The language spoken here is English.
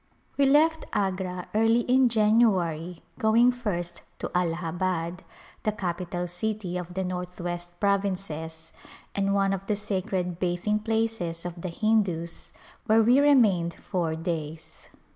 We left Agra early in January, going first to Allahabad, the capital city of the Northwest Provinces, and one of the sacred bathing places of the Hindus, where we remained four days.